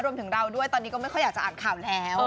รวมถึงเราด้วยตอนนี้ก็ไม่ค่อยอยากจะอ่านข่าวแล้ว